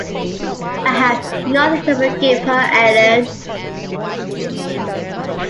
I have nothing to forgive her, Ellen.